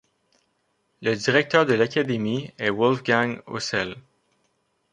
Le Directeur de l'Académie est Wolfgang Heusel.